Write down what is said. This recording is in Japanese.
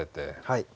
はい。